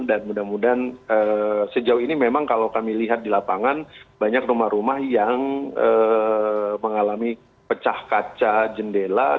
dan mudah mudahan sejauh ini memang kalau kami lihat di lapangan banyak rumah rumah yang mengalami pecah kaca jendela